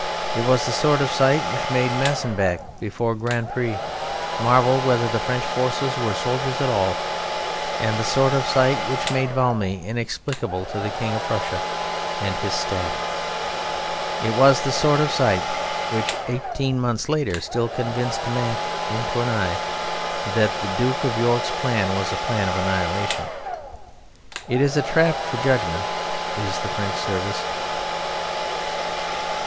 It was the sort of sight which made Massenbach before Grandpré marvel whether the French forces were soldiers at all, and the sort of sight which made Valmy inexplicable to the King of Prussia and his staff. It was the sort of sight which eighteen months later still convinced Mack in Tournai that the Duke of York's plan was a plan "of annihilation." It is a trap for judgment is the French service.